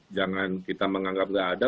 jangan kita menganggap nggak ada